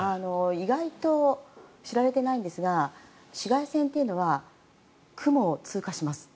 意外と知られてないんですが紫外線っていうのは雲を通過します。